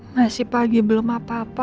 masih pagi belum apa apa